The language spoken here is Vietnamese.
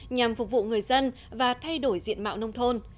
nhằm phục vụ người dân và thay đổi diện mạo nông thôn